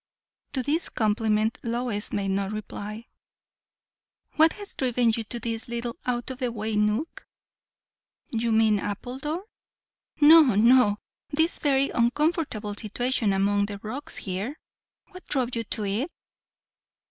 To this compliment Lois made no reply. "What has driven you to this little out of the way nook?" "You mean Appledore?" "No, no! this very uncomfortable situation among the rocks here? What drove you to it?"